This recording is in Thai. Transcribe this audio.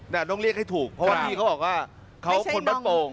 ต้องเรียกให้ถูกเพราะว่าพี่เขาบอกว่าเขาคนบ้านโป่ง